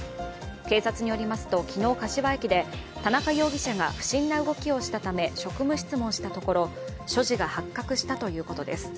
警察によりますと、昨日、柏駅で田中容疑者が不審な動きをしたため職務質問したところ、所持が発覚したということです。